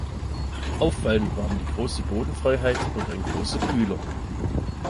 Auffallend waren die große Bodenfreiheit und ein großer Kühler.